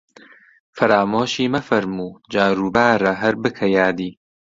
فەرامۆشی مەفەرموو، جاروبارە هەر بکە یادی